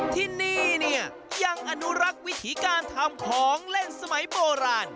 ที่นี่เนี่ยยังอนุรักษ์วิถีการทำของเล่นสมัยโบราณ